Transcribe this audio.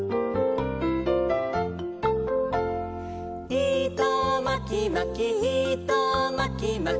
「いとまきまきいとまきまき」